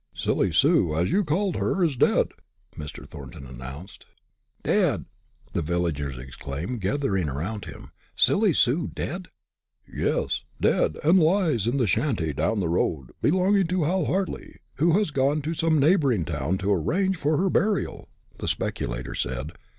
"Silly Sue, as you call her, is dead," Mr. Thornton announced. "Dead!" the villagers exclaimed, gathering around him "Silly Sue dead?" "Yes, dead, and lies in the shanty down the road, belonging to Hal Hartly, who has gone to some neighboring town to arrange for her burial!" the speculator said.